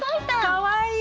かわいい。